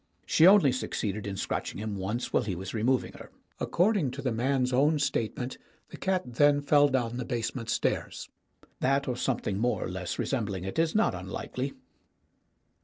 She only succeeded in scratching him once while he was removing her. According to the man's own statement, the cat then fell down the base ment stairs. That or something more or less re sembling it is not unlikely.